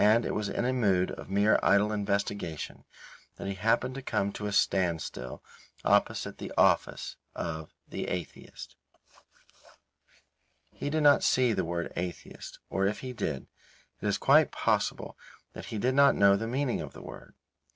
And it was in a mood of mere idle investigation that he happened to come to a standstill opposite the office of The Atheist. He did not see the word "atheist", or if he did, it is quite possible that he did not know the meaning of the word.